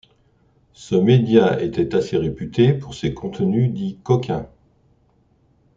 Ce média était assez réputé pour ses contenus dits coquins...